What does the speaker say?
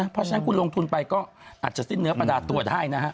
ถ้าคุณลงทุนไปก็อาจจะทิ้งเนื้อประดาษตัวได้นะครับ